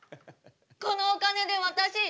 このお金で私